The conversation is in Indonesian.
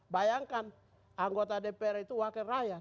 bayangkan anggota dpr itu wakil rakyat